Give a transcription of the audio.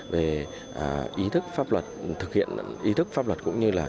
về ý thức pháp luật thực hiện ý thức pháp luật cũng như là